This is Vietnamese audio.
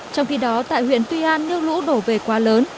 trong khi đó tại huyện tuy an nước lũ đổ về quá lớn